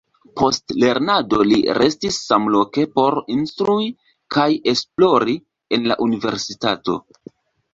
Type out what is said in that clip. Post lernado li restis samloke por instrui kaj esplori en la universitato.